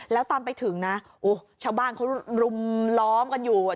แล้วตอนไปถึงนะชาวบ้านเขารุมล้อมกันอยู่